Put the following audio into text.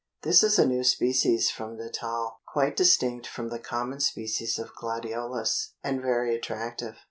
This is a new species from Natal, quite distinct from the common species of gladiolus and very attractive.